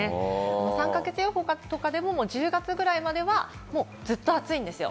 ３か月予報とかでも、１０月ぐらいまでは、もうずっと暑いんですよ。